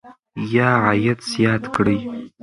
یا عاید زیات کړئ.